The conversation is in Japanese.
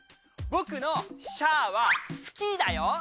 僕の「シャー」はスキーだよ。